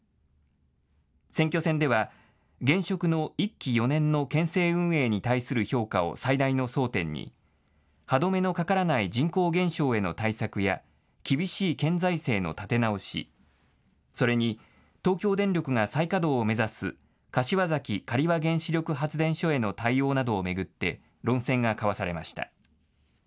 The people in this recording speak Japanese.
選挙戦では、現職の１期４年の県政運営に対する評価を最大の争点に、歯止めのかからない人口減少への対策や、厳しい県財政の立て直し、それに東京電力が再稼働を目指す、柏崎刈羽原子力発電所への対応などを巡って、論戦が交わされました。